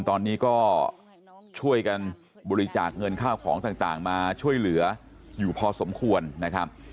ตอนนี้ก็ช่วยกันบริจาคเงินข้าวของต่างมาช่วยเหลืออยู่พอสมควรนะครับ